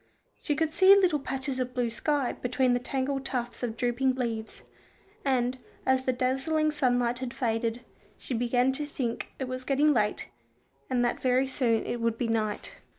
She could see little patches of blue sky between the tangled tufts of drooping leaves, and, as the dazzling sunlight had faded, she began to think it was getting late, and that very soon it would be night.